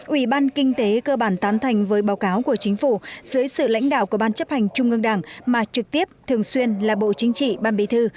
ủy ban kinh tế cơ bản tán thành với báo cáo của chính phủ dưới sự lãnh đạo của ban chấp hành trung ương đảng mà trực tiếp thường xuyên là bộ chính trị ban bí thư